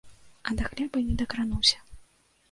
А да хлеба і не дакрануўся.